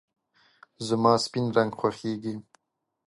زما سپین رنګ خوښېږي .